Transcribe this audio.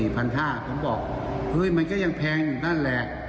ผมบอกเฮ้ยมันก็ยังแพงอยู่นั่นแหละ